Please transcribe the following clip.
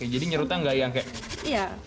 jadi nyerutnya nggak yang kayak